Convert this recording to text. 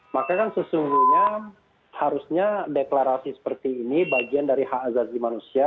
maka kan sesungguhnya harusnya deklarasi seperti ini bagian dari hak azazi manusia